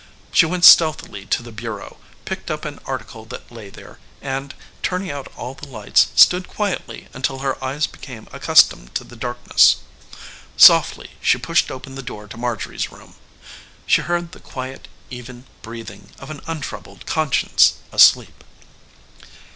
She went stealthily to the bureau, picked up an article that lay there, and turning out all the lights stood quietly until her eyes became accustomed to the darkness. Softly she pushed open the door to Marjorie's room. She heard the quiet, even breathing of an untroubled conscience asleep.